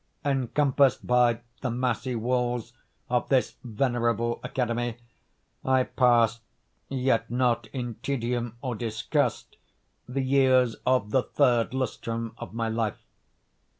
Encompassed by the massy walls of this venerable academy, I passed, yet not in tedium or disgust, the years of the third lustrum of my life.